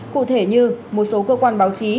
cụ thể như một số cơ quan báo chí